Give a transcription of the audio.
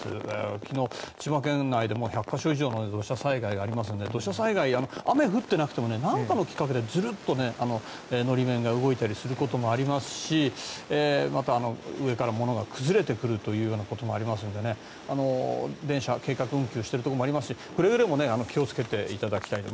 昨日、千葉県内でも１００か所以上の土砂災害がありますので土砂災害、雨が降っていなくても何かのきっかけでズルッと法面が動いたりすることもありますしまた、上から物が崩れてくるということもありますので電車、計画運休しているところもありますしくれぐれも気をつけていただきたいと。